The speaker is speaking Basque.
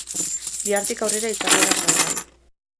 Bihartik aurrera izango da salgai.